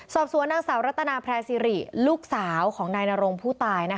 สอบสวนนางสาวรัตนาแพร่สิริลูกสาวของนายนรงผู้ตาย